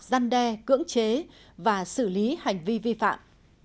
hoặc gian đe cưỡng chế và xử lý hành vi vi phạm